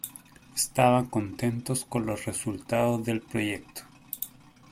Estaban contentos con los resultados del proyecto.